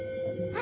あ！